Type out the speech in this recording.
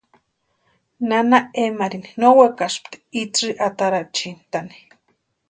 Nana Emarini no wekaspti itsï atarachintʼani.